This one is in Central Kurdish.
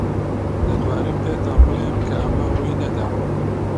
دەتوانم پێتان بڵێم کە ئەمە ڕووی نەداوە.